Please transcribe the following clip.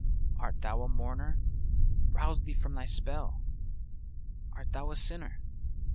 Art thou a mourner? Rouse thee from thy spell ; Art thou a sinner?